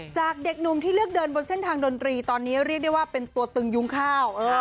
จากเด็กหนุ่มที่เลือกเดินบนเส้นทางดนตรีตอนนี้เรียกได้ว่าเป็นตัวตึงยุงข้าว